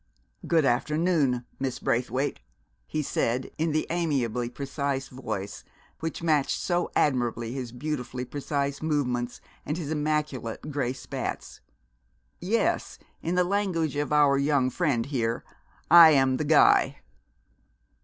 "Good afternoon, Miss Braithwaite," he said in the amiably precise voice which matched so admirably his beautifully precise movements and his immaculate gray spats. "Yes. In the language of our young friend here, 'I am the guy.'"